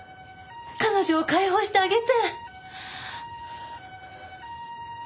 彼女を解放してあげて！